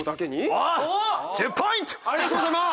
ありがとうございます！